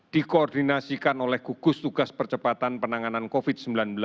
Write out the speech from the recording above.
dikoordinasikan oleh gugus tugas percepatan penanganan covid sembilan belas